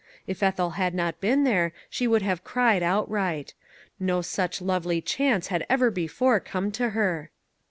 If Ethel had not been there, she would have cried outright; no such lovely chance had ever before come to her.